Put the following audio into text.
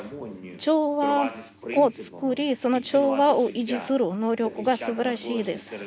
調和をつくり、その調和を維持する能力がすばらしいです。